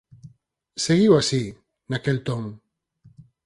seguiu así, naquel ton.